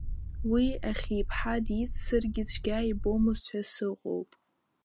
Уи Ахьи-ԥҳа диццаргьы цәгьа ибомызт ҳәа сыҟоуп.